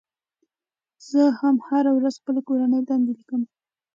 زه هم هره ورځ خپله کورنۍ دنده لیکم.